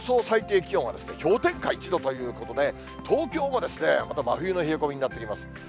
最低気温は氷点下１度ということで、東京もですね、また真冬の冷え込みになってきます。